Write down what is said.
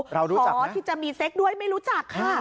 ขอที่จะมีเซ็กด้วยไม่รู้จักค่ะ